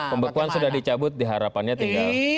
pembekuan sudah dicabut diharapannya tinggal